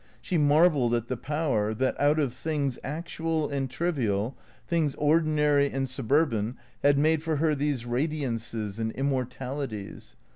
She marvelled at the power that, out of things actual and trivial, things ordinary and suburban, had made for her these radiances and immortalities.